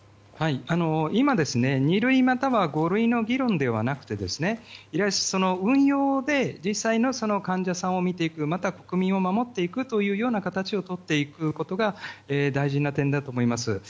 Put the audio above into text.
今、二類または五類の議論ではなくて運用で実際の患者さんを診ていくまた国民を守っていく形をとっていくことが大事な点だと思います。